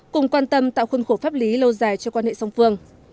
cùng quan tâm tạo khuôn khổ pháp lý lâu dài cho quan hệ song phương